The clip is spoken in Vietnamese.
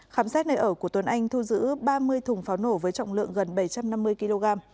khám xét nơi ở của tuấn anh thu giữ ba mươi thùng pháo nổ với trọng lượng gần bảy trăm năm mươi kg